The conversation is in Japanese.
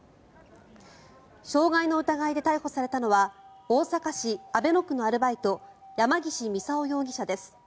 傷害の疑いで逮捕されたのは大阪市阿倍野区のアルバイト山岸操容疑者です。